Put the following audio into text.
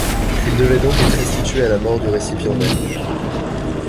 Il devait donc être restitué à la mort du récipiendaire.